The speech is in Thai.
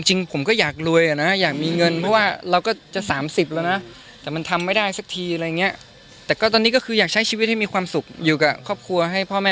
จริงเป็นคนตกลงบ้างเครียดบ้างในช่วงอายุในช่วงอารมณ์เนี่ยครับผม